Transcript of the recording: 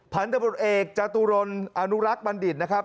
พันธบทเอกจตุรนอนุรักษ์บัณฑิตนะครับ